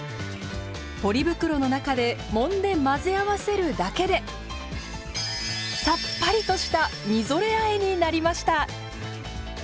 ポリ袋の中でもんで混ぜ合わせるだけでさっぱりとしたみぞれあえになりました。